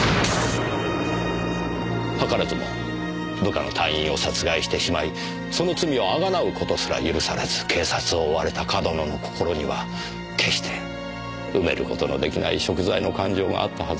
図らずも部下の隊員を殺害してしまいその罪をあがなう事すら許されず警察を追われた上遠野の心には決して埋める事の出来ない贖罪の感情があったはずです。